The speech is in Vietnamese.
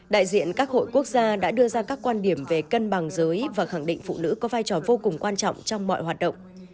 đại diện các hội quốc gia đã đưa ra các quan điểm về cân bằng giới và khẳng định phụ nữ có vai trò vô cùng quan trọng trong mọi hoạt động